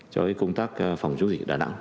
cho công tác phòng chống dịch ở đà nẵng